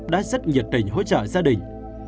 đã rất nhiệt tình hỗ trợ gia đình